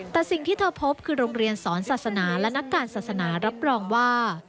แต่สิ่งที่เธอพบคือโรงเรียนสอนศาสนาและนักการศาสนารับรองว่า